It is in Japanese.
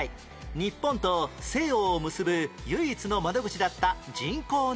日本と西欧を結ぶ唯一の窓口だった人工の島